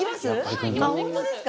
本当ですか？